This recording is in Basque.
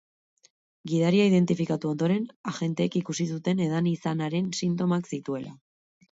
Gidaria identifikatu ondoren, agenteek ikusi zuten edan izanaren sintomak zituela.